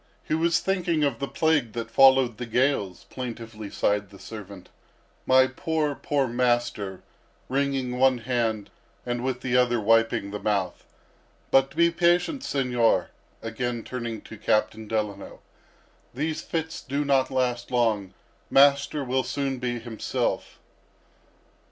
He was thinking of the plague that followed the gales," plaintively sighed the servant; "my poor, poor master!" wringing one hand, and with the other wiping the mouth. "But be patient, Señor," again turning to Captain Delano, "these fits do not last long; master will soon be himself."